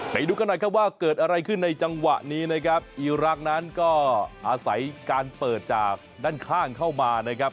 ไปดูกันหน่อยครับว่าเกิดอะไรขึ้นในจังหวะนี้นะครับอีรักษ์นั้นก็อาศัยการเปิดจากด้านข้างเข้ามานะครับ